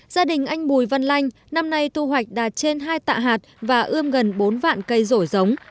gia đình anh bùi văn lanh năm nay thu hoạch đạt trên hai tạ hạt và ươm gần bốn vạn cây rổi giống